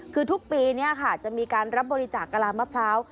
คือทุกปีจะมีการรับบริจาคกะลามะพร้าว